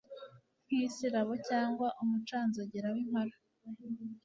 nk isirabo cyangwa umucanzogera w impara